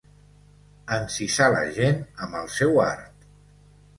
Encisar la gent amb el seu art.